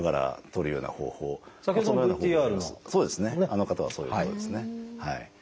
あの方はそういうことですね。